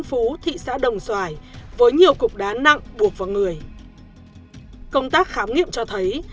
phú thị xã đồng xoài với nhiều cục đá nặng buộc vào người công tác khám nghiệm cho thấy